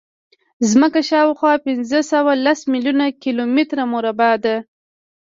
ځمکه شاوخوا پینځهسوهلس میلیونه کیلومتره مربع ده.